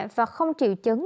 và không triệu chứng